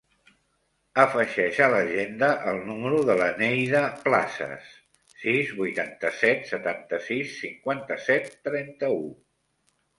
Afegeix a l'agenda el número de la Neida Plazas: sis, vuitanta-set, setanta-sis, cinquanta-set, trenta-u.